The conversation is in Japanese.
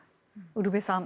ウルヴェさん